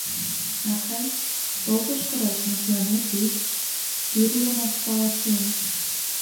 — Акай, тол тышкырак, мый тыланет ик тӱрлымак каласем.